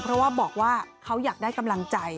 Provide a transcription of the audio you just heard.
เพราะว่าบอกว่าเขาอยากได้กำลังใจ